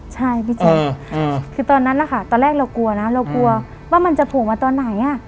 ใช่พี่แจ๊คคือตอนนั้นนะคะตอนแรกเรากลัวนะเรากลัวว่ามันจะโผล่มาตอนไหน